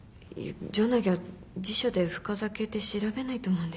じゃなきゃ辞書で「深酒」って調べないと思うんです。